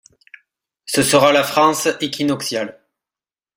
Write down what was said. Ce sera la France équinoxiale.